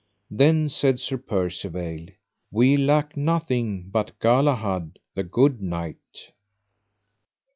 Then said Sir Percivale: We lack nothing but Galahad, the good knight.